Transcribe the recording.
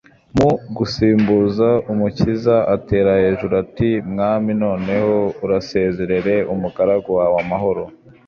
Mu gusimbiza Umukiza, atera hejuru ati: «Mwami noneho urasezerere umugaragu wawe amahoro,